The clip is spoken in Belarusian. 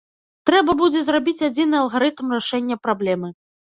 Трэба будзе зрабіць адзіны алгарытм рашэння праблемы.